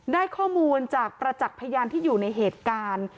ได้ข้อมูลจากประจักษ์พยานที่อยู่ในเหตุการณ์